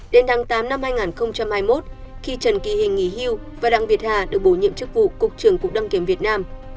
đến tháng tám năm hai nghìn hai mươi một khi trần kỳ hình nghỉ hưu và đặng việt hà được bổ nhiệm chức vụ cục trưởng cục đăng kiểm việt nam